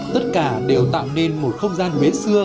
tất cả đều tạo nên một không gian huế xưa